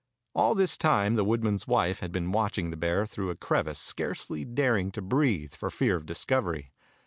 All this time the woodman's wife had been watching the bear through a crevice, scarcely daring to breathe for fear of discovery.